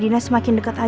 dina semakin dekat